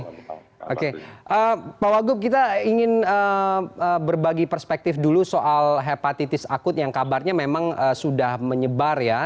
oke pak wagub kita ingin berbagi perspektif dulu soal hepatitis akut yang kabarnya memang sudah menyebar ya